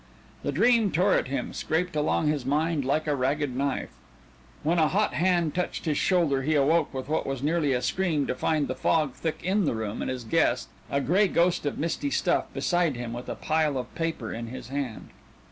The dream tore at him, scraped along his mind like a ragged knife. When a hot hand touched his shoulder, he awoke with what was nearly a scream to find the fog thick in the room and his guest, a gray ghost of misty stuff, beside him with a pile of paper in his hand.